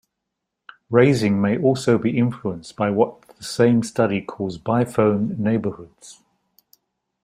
Raising may also be influenced by what that same study calls biphone neighborhoods.